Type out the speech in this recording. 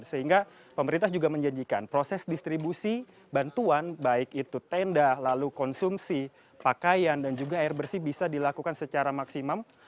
sehingga pemerintah juga menjanjikan proses distribusi bantuan baik itu tenda lalu konsumsi pakaian dan juga air bersih bisa dilakukan secara maksimum